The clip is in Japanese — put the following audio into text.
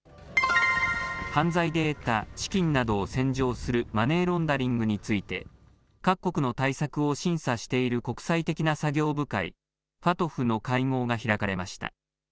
犯罪で得た資金などを洗浄するマネーロンダリングについて、各国の対策を審査している国際的な作業部会、ＦＡＴＦの会合が開かれました。